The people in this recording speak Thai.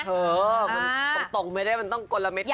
เธอตรงไม่ได้มันต้องกดละเม็ดรับ